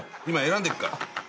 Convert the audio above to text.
今選んでっから。